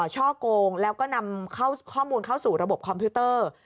ช่อโกงแล้วก็นำข้อมูลเข้าสู่ระบบคอมพิวเตอร์